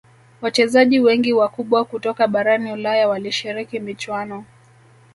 wachezaji wengi wakubwa kutoka barani ulaya walishiriki michuano